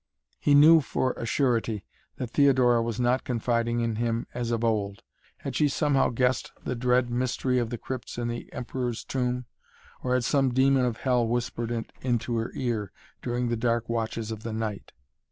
He knew for a surety that Theodora was not confiding in him as of old. Had she somehow guessed the dread mystery of the crypts in the Emperor's Tomb, or had some demon of Hell whispered it into her ear during the dark watches of the night?